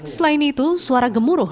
selain itu suara gemuruh